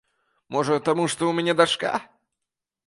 Можа, таму што ў мяне дачка?